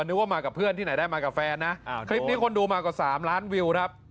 นึกว่ามากับเพื่อนที่ไหนได้มากับแฟนนะคลิปนี้คนดูมากว่า๓ล้านวิวครับ